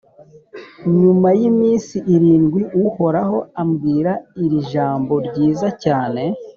Nyuma y’iminsi irindwi, Uhoraho ambwira iri jambo ryiza cyane